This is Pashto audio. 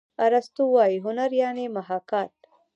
ارستو وايي هنر یعني محاکات.